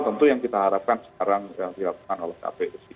tentu yang kita harapkan sekarang yang dilakukan oleh kpu